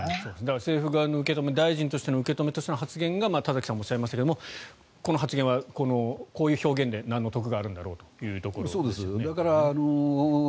政府側の受け止めも大臣としての受け止めも田崎さんもおっしゃいましたがこの発言はこういう表現でなんの得があるんだろうという。